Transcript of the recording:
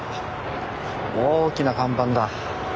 大きな看板だ。